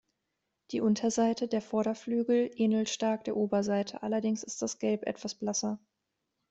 Die Unterseite der Vorderflügel ähnelt stark der Oberseite, allerdings ist das Gelb etwas blasser.